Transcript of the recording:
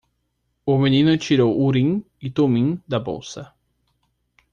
O menino tirou Urim e Tumim da bolsa.